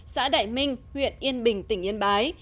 xã đại minh huyện yên bình tỉnh yên bái